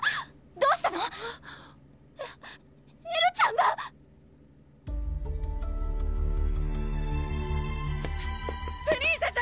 どうしたの⁉エエルちゃんがプリンセス！